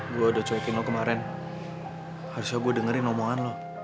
gue udah cuekin lo kemarin harusnya gue dengerin omongan lo